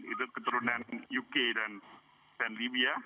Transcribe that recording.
itu keturunan uk dan libya